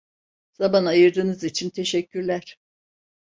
Zaman ayırdığınız için teşekkürler.